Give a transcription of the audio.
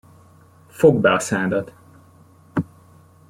Fogd be a szádat!